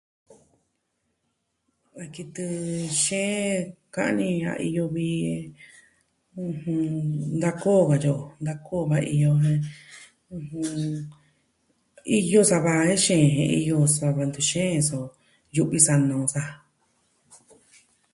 A kitɨ xeen ka'an ni a iyo vi da koo, katyi ki o. da koo va iyo jen iyo sava jen xeen, iyo sava ja ntu xeen so yu'vi sana on sa'a ja.